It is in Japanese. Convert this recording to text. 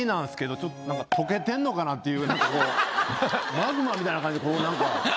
マグマみたいな感じでこうなんか。